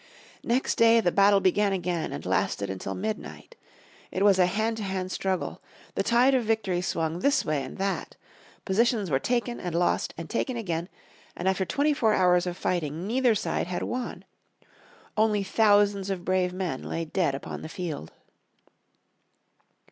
Next day the battle began again and lasted until midnight. It was a hand to hand struggle. The tide of victory swung this way and that. Positions were taken and lost, and taken again and after twenty four hours of fighting neither side had won. Only thousands of brave men lay dead upon the field.